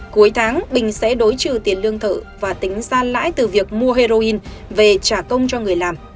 cuối tháng bình sẽ đối trừ tiền lương thực và tính ra lãi từ việc mua heroin về trả công cho người làm